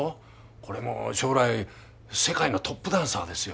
これもう将来世界のトップダンサーですよ。